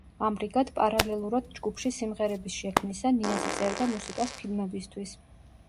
ამრიგად, პარალელურად ჯგუფში სიმღერების შექმნისა, ნიაზი წერდა მუსიკას ფილმებისთვის.